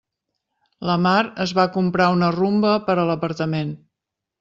La Mar es va comprar una Rumba per a l'apartament.